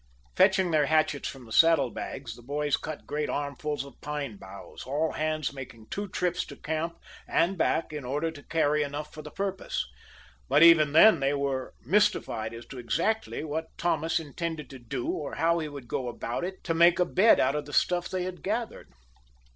Fetching their hatchets from the saddle bags, the boys cut great armfuls of pine boughs, all hands making two trips to camp and back in order to carry enough for the purpose. But, even then, they were mystified as to exactly what Thomas intended to do or how he would go about it to make a bed out of the stuff they had gathered.